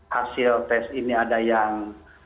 hasil tes ini ada yang